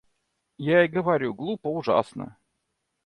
Я и говорю, глупо ужасно.